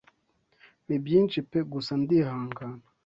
Ni byinshi pe gusa ndihangana